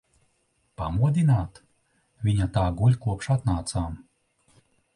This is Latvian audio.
Pamodināt? Viņa tā guļ, kopš atnācām.